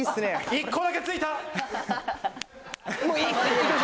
１個だけついた！